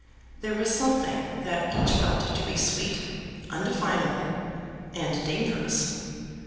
There was something that each felt to be sweet, undefinable, and dangerous.